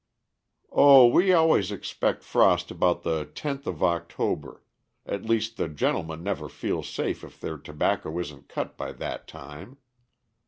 "O we always expect frost about the tenth of October; at least the gentlemen never feel safe if their tobacco isn't cut by that time.